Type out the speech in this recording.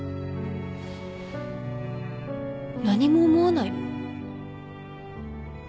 何も思わないの？